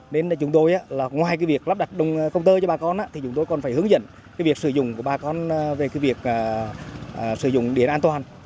nên chúng tôi ngoài việc lắp đặt công tơ cho bà con chúng tôi còn phải hướng dẫn việc sử dụng của bà con về việc sử dụng điện an toàn